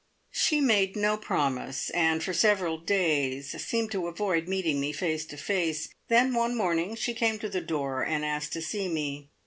She made no promise, and for several days seemed to avoid meeting me face to face, then one morning she came to the door and asked to see me.